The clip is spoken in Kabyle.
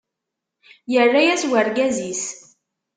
Yerra-as urgaz-is.